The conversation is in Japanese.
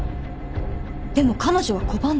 でも彼女は拒んだ。